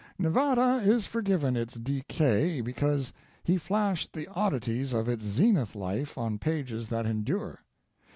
"Nevada is forgiven its decay because he flashed the oddities of its zenith life on pages that endure.